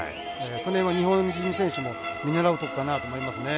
その辺は日本人選手も見習うとこかなと思いますね。